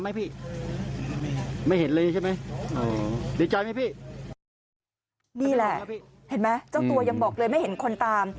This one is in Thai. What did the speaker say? เห็นไหมเจ้าตัวยังบอกเลยไม่เห็นคนตาม